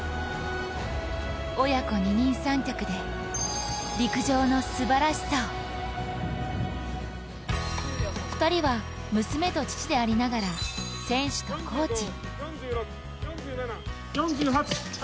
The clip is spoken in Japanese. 親子二人三脚で陸上のすばらしさを２人は娘と父でありながら選手とコーチ。